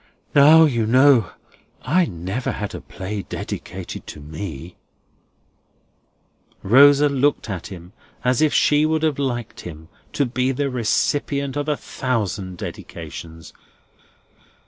Now, you know, I never had a play dedicated to me!" Rosa looked at him as if she would have liked him to be the recipient of a thousand dedications.